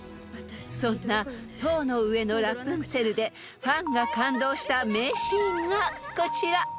［そんな『塔の上のラプンツェル』でファンが感動した名シーンがこちら］